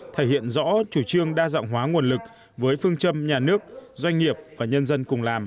thể hiện rõ chủ trương đa dọng hóa nguồn lực với phương châm nhà nước doanh nghiệp và nhân dân